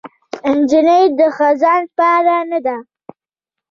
نجلۍ د خزان پاڼه نه ده.